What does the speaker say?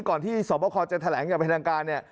ก่อนที่สอบบ้าคอจะแถลงอย่างแบบนี้